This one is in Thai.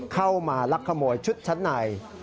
เข้ามาลักขโมยชุดชั้นใน